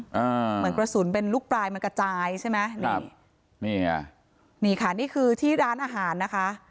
เหมือนกระสุนเป็นลูกปลายมันกระจายใช่ไหมนี่นี่ไงนี่ค่ะนี่คือที่ร้านอาหารนะคะ